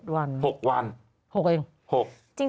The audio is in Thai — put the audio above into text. ๗วัน๖วัน๖อีก๖